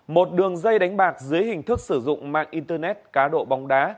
một đường dây đánh bạc dưới hình thức sử dụng mạng internet cá độ bóng đá